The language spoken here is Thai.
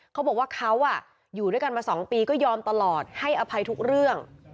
เขาบอกว่าเขาอยู่ด้วยกันมา๒ปีก็ยอมตลอดให้อภัยทุกเรื่อง